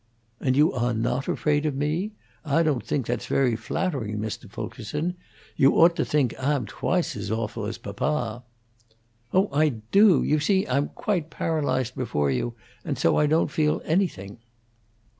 "And you awe not afraid of me? I don't think that's very flattering, Mr. Fulkerson. You ought to think Ah'm twahce as awful as papa." "Oh, I do! You see, I'm quite paralyzed before you, and so I don't feel anything."